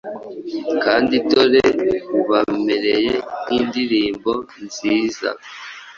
Kandi dore ubamereye nk’indirimbo nziza